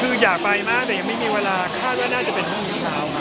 คืออยากไปมากแต่ยังไม่มีเวลาคาดว่าน่าจะเป็นไม่มีเวลา